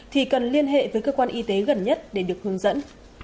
thì cần liên hệ với cơ quan y tế gần nhất để được hướng dẫn